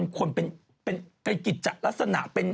คนเป็นกิจจัดลักษณะเป็น